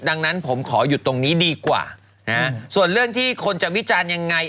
ดังนั้นผมขอหยุดตรงนี้ดีกว่านะฮะส่วนเรื่องที่คนจะวิจารณ์ยังไง